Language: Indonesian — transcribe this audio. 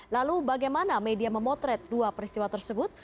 lalu bagaimana media memotret dua peristiwa tersebut